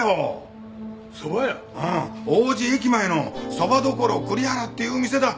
王子駅前の「そば処くりはら」っていう店だ。